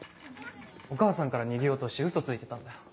お母さんから逃げようとしてウソついてたんだよ。